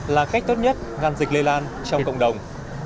là cách tốt nhất ngăn dịch lây lan trong cộng đồng